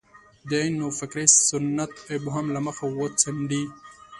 د نوفکرۍ سنت ابهام له مخه وڅنډي.